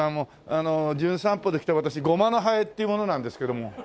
あの『じゅん散歩』で来た私ごまのはえっていう者なんですけども。